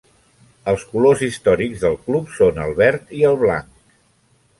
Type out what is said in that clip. Els colors històrics del club són el verd i el blanc.